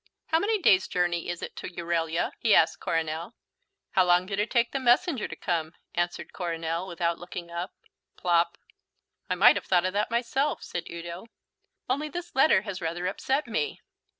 "How many days' journey is it to Euralia?" he asked Coronel. "How long did it take the messenger to come?" answered Coronel, without looking up. (Plop.) "I might have thought of that myself," said Udo, "only this letter has rather upset me."